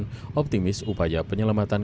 berhasil mencapai penyelamatan